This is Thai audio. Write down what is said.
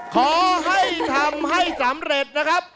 ขอให้ทำให้สำเร็จนะครับ